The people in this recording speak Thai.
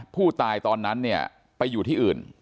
ตอนนั้นเนี่ยไปอยู่ที่อื่น